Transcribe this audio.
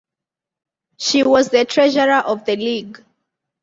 She was the treasurer of the League.